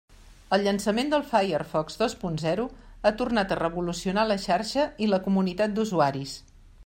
El llançament del Firefox dos punt zero ha tornat a revolucionar la xarxa i la comunitat d'usuaris.